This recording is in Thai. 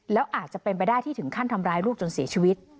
แล้วอาจจะเป็นไปได้ที่ถึงขั้นทำร้ายลูกจนเสียชีวิต